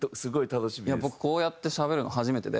僕こうやってしゃべるの初めてで。